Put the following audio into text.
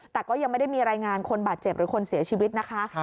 แต่ก็ยังไม่ได้มีรายงานคนบาดเจ็บหรือคนเสียชีวิตนะคะ